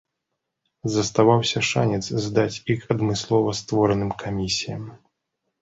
Заставаўся шанец здаць іх адмыслова створаным камісіям.